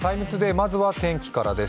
まずは天気からです。